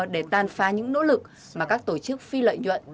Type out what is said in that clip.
để tàn phá những nỗ lực mà các tổ chức phi lợi nhuận